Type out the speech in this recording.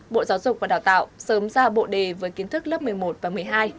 bộ giáo dục và đào tạo sớm ra bộ đề với kiến thức lớp một mươi một và một mươi hai